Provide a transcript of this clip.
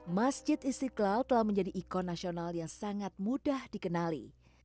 masjid istiqlal telah menjadi ikon nasional yang sangat mudah dikenali